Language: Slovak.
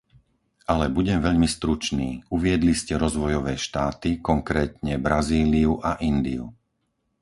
Ale budem veľmi stručný, uviedli ste rozvojové štáty, konkrétne Brazíliu a Indiu.